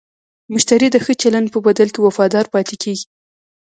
مشتری د ښه چلند په بدل کې وفادار پاتې کېږي.